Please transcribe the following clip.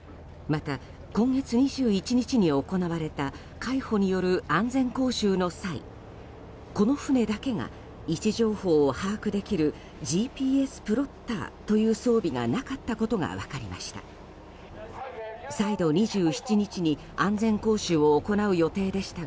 また今月２１日に行われた海保による安全講習の際この船だけが位置情報を把握できるＧＰＳプロッパーという装備がなかったことが分かりました。